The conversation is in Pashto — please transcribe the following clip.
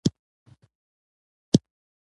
خبرې یې سره اوږدې شوې او یو څه سرخوږی یې ورکړ.